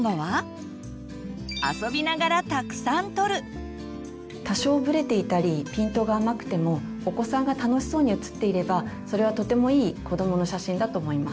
最後は多少ブレていたりピントが甘くてもお子さんが楽しそうに写っていればそれはとてもいい子どもの写真だと思います。